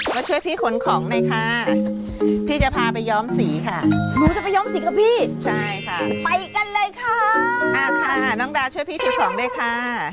ฟิวสีที่เอามาไทยนี่สีอะไรคะ